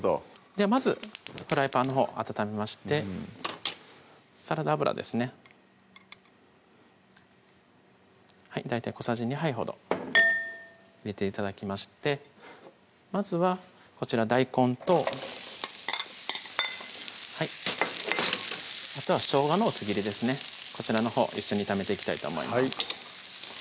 まずフライパンのほう温めましてサラダ油ですね大体小さじ２杯ほど入れて頂きましてまずはこちら大根とあとはしょうがの薄切りですねこちらのほう一緒に炒めていきたいと思います